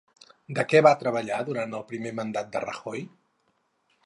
De què va treballar durant el primer mandat de Rajoy?